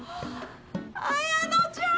彩乃ちゃん！